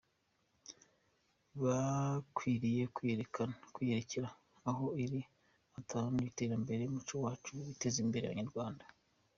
Bakwiriye kuyirekera aho iri, bagatahana ibiteza imbere umuco wacu, ibiteza imbere abanyarwanda.”